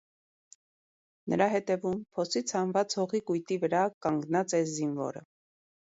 Նրա հետևում՝ փոսից հանված հողի կույտի վրա կանգնած է զինվորը։